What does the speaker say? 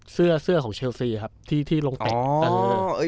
เสื้อของเชลซีครับที่ลงเตะ